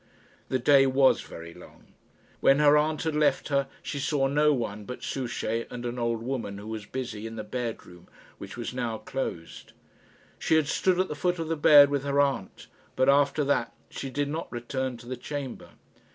The day was very long. When her aunt had left her she saw no one but Souchey and an old woman who was busy in the bedroom which was now closed. She had stood at the foot of the bed with her aunt, but after that she did not return to the chamber.